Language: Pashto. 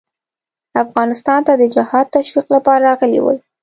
افغانستان ته د جهاد تشویق لپاره راغلي ول.